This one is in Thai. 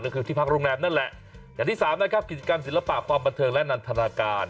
ก็คือที่พักโรงแรมนั่นแหละอย่างที่สามนะครับกิจกรรมศิลปะความบันเทิงและนันทนาการ